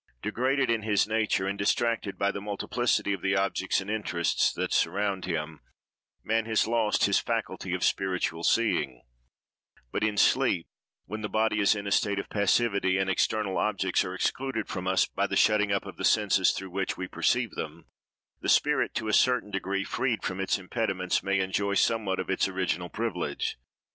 Degraded in his nature, and distracted by the multiplicity of the objects and interests that surround him, man has lost his faculty of spiritual seeing; but in sleep, when the body is in a state of passivity, and external objects are excluded from us by the shutting up of the senses through which we perceive them, the spirit, to a certain degree freed from its impediments, may enjoy somewhat of its original privilege.